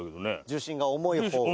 重心が重い方が。